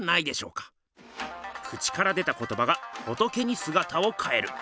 口から出た言葉が仏にすがたをかえる。